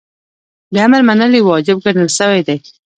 د امر منل یی واجب ګڼل سوی دی .